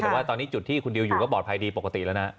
แต่ว่าตอนนี้จุดที่คุณดิวอยู่ก็ปลอดภัยดีปกติแล้วนะ